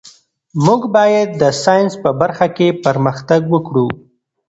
موږ باید د ساینس په برخه کې پرمختګ وکړو.